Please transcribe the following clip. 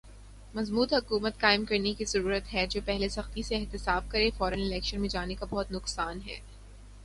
مضبوط حکومت قائم کرنے کی ضرورت ہے۔۔جو پہلے سختی سے احتساب کرے۔۔فورا الیکشن میں جانے کا بہت نقصان ہے۔۔